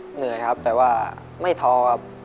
เหนื่อยครับแต่ว่าไม่ท้อครับ